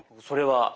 それは。